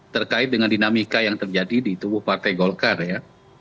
terkait dengan dinamika yang terjadi di tubuh partai golkar ya